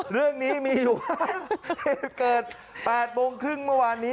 เรื่องนี้มีอยู่เหตุเกิด๘โมงครึ่งเมื่อวานนี้